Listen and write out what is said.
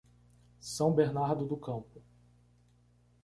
São Bernardo do Campo